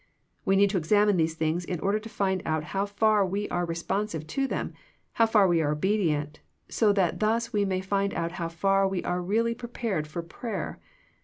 " We need to examine these things in order to find out how far we are responsive to them, how far we are obedient, so that thus we may find out how far we are really prepared for prayer.